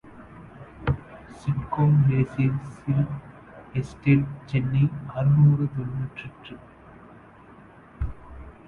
SIDCO industrial estate, Chennai அறுநூறு தொன்னூற்றெட்டு.